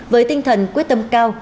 với tinh thần quyết tâm cao